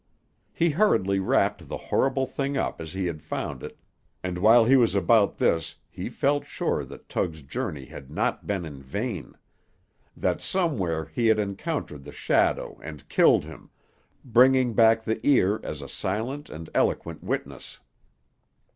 He hurriedly wrapped the horrible thing up as he had found it, and while he was about this he felt sure that Tug's journey had not been in vain; that somewhere he had encountered the shadow and killed him, bringing back the ear as a silent and eloquent witness.